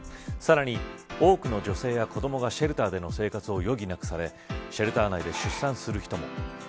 さらに多くの女性や子どもがシェルターの生活を余儀なくされシェルター内で出産する人も。